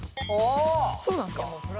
そうなんですか？